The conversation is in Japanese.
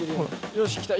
よし来た。